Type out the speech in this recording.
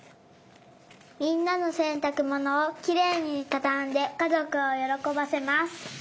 みんなのせんたくものをきれいにたたんでかぞくをよろこばせます。